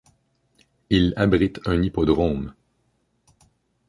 Il abrite un hippodrome.